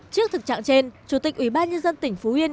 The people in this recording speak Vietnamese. trước thực trạng trên chủ tịch ủy ban nhân dân tỉnh phú yên